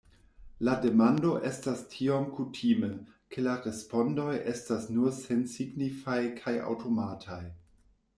La demando estas tiom kutime, ke la respondoj estas nur sensignifaj kaj aŭtomataj.